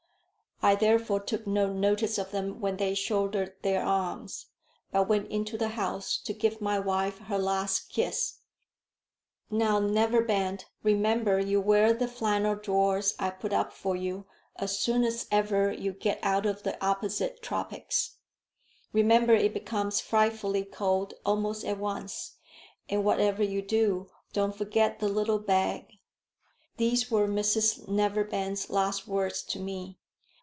I therefore took no notice of them when they shouldered their arms, but went into the house to give my wife her last kiss. "Now, Neverbend, remember you wear the flannel drawers I put up for you, as soon as ever you get out of the opposite tropics. Remember it becomes frightfully cold almost at once; and whatever you do, don't forget the little bag." These were Mrs Neverbend's last words to me.